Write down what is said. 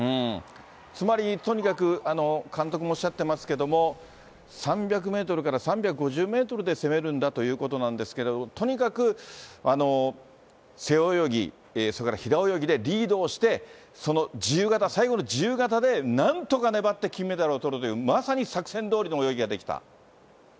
つまり、とにかく監督もおっしゃってますけれども、３００メートルから３５０メートルで攻めるんだということなんですけど、とにかく背泳ぎ、それから平泳ぎでリードをして、その自由形、最後の自由形でなんとか粘って金メダルをとるという、まさに作戦どおりの泳ぎができた。